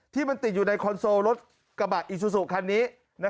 ที่มันติดอยู่ในคอนโซลรถกระบะอิซูซูคันนี้